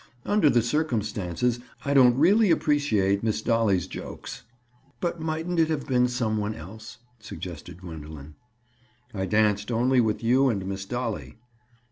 Under the circumstances, I don't really appreciate Miss Dolly's jokes." "But mightn't it have been some one else?" suggested Gwendoline. "I danced only with you and Miss Dolly."